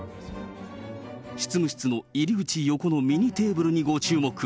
執務室の入り口横のミニテーブルにご注目。